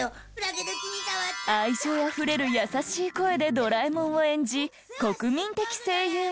愛情あふれる優しい声でドラえもんを演じ国民的声優に。